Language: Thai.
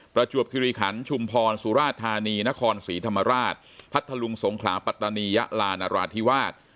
ประจวบคิริขันชุมพรสุราธานีนครศรีธรรมราชพัทธลุงสงขลาปัตตานียะลานราธิวาส